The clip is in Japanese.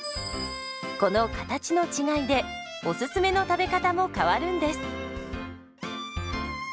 この形の違いでおすすめの食べ方も変わるんです。